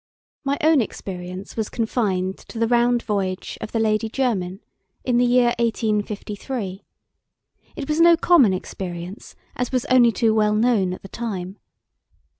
My own experience was confined to the round voyage of the Lady Jermyn, in the year 1853. It was no common experience, as was only too well known at the time.